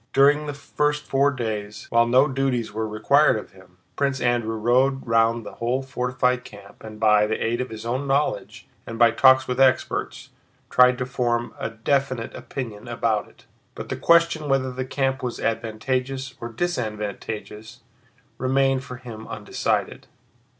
During the first four days, while no duties were required of him, Prince Andrew rode round the whole fortified camp and, by the aid of his own knowledge and by talks with experts, tried to form a definite opinion about it. But the question whether the camp was advantageous or disadvantageous remained for him undecided.